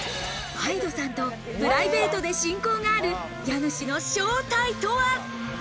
ＨＹＤＥさんとプライベートで親交がある家主の正体とは？